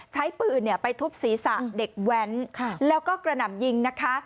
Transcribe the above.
ใช้ปืนไปทุบศีรษะเด็กแว้นแล้วก็กระหน่ำยิงนะคะ